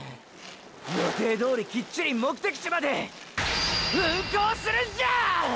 予定どおりキッチリ目的地まで運行するんじゃ！！